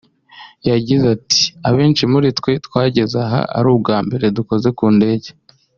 yagize ati” Abenshi muri twe twageze aha ari bwo bwa mbere dukoze ku ndege